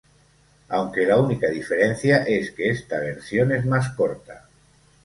Aunque, la única diferencia es que esta versión es más corta.